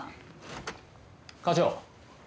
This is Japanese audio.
課長。